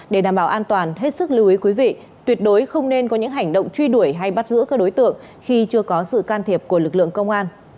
để đảm bảo an toàn hết sức lưu ý quý vị tuyệt đối không nên có những hành động truy đuổi hay bắt giữ các đối tượng khi chưa có sự can thiệp của lực lượng công an